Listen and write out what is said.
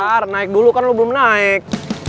ntar naik dulu kan lo belum naik